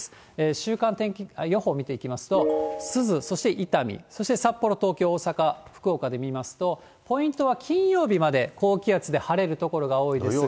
週間予報見ていきますと、珠洲、そして伊丹、そして札幌、東京、大阪、福岡で見ますと、ポイントは金曜日まで高気圧で晴れる所が多いですが。